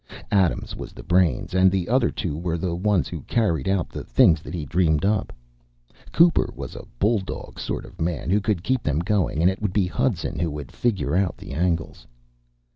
Adams was the brains and the other two were the ones who carried out the things that he dreamed up. Cooper was a bulldog sort of man who could keep them going and it would be Hudson who would figure out the angles.